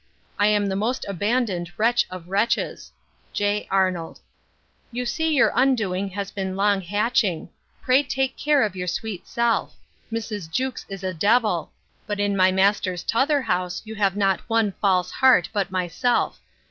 I am the most abandoned wretch of wretches. 'J. ARNOLD.' 'You see your undoing has been long hatching. Pray take care of your sweet self. Mrs. Jewkes is a devil: but in my master's t'other house you have not one false heart, but myself.